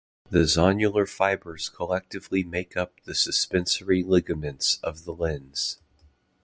The zonular fibers collectively make up the suspensory ligament of the lens.